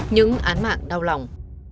những án mạng đau lòng